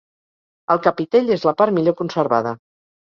El capitell és la part millor conservada.